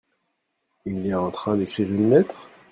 Il est en train d'écrire une lettre ?